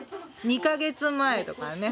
２カ月前とかね。